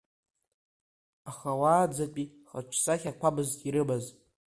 Аха уаанӡатәи хаҿсахьақәамызт ирымаз.